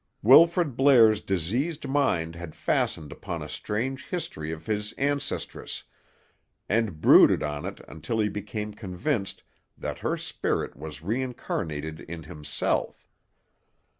Wilfrid Blair's diseased mind had fastened upon the strange history of his ancestress, and brooded on it until he became convinced that her spirit was reincarnated in himself.